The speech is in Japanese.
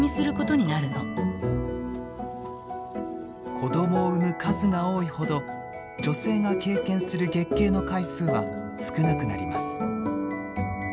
子どもを産む数が多いほど女性が経験する月経の回数は少なくなります。